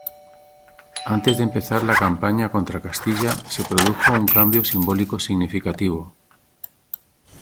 Antes de empezar la campaña contra Castilla, se produjo un cambio simbólico significativo.